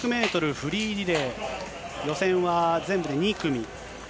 フリーリレー、予選は全部で２組。